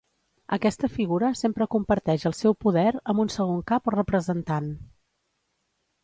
Aquesta figura sempre comparteix el seu poder amb un segon cap o representant.